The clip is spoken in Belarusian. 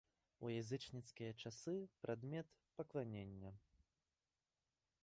У язычніцкія часы прадмет пакланення.